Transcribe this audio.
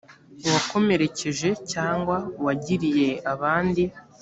uwakomerekeje cyangwa wagiriye abandi